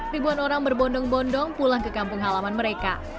ribuan orang berbondong bondong pulang ke kampung halaman mereka